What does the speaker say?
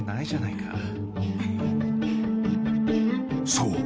［そう。